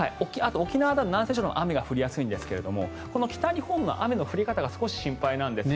沖縄など南西諸島も雨が降りやすいんですがこの北日本の雨の降り方が少し心配なんです。